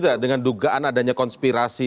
tidak dengan dugaan adanya konspirasi